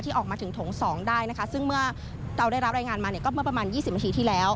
ออกมาถึงถง๒ได้นะคะซึ่งเมื่อเราได้รับรายงานมาเนี่ยก็เมื่อประมาณ๒๐นาทีที่แล้ว